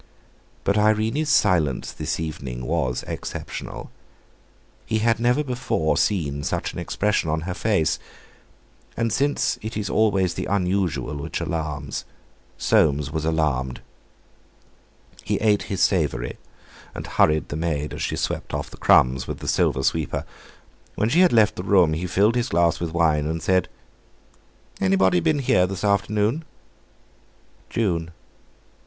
But Irene's silence this evening was exceptional. He had never before seen such an expression on her face. And since it is always the unusual which alarms, Soames was alarmed. He ate his savoury, and hurried the maid as she swept off the crumbs with the silver sweeper. When she had left the room, he filled his glass with wine and said: "Anybody been here this afternoon?" "June."